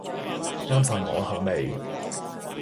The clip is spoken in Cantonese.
啱晒我口味